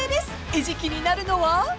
［餌食になるのは？］